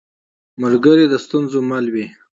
ملګری د ستونزو مل وي